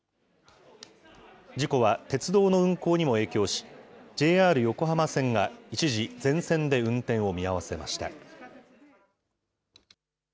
事故は鉄道の運行にも影響し、ＪＲ横浜線が一時、全線で運転を見合わせました。